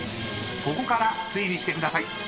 ［ここから推理してください］